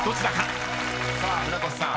［さあ船越さん